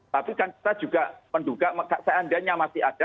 tapi kan kita juga menduga seandainya masih ada